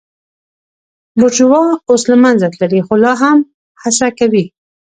بورژوا اوس له منځه تللې خو لا هم هڅه کوي.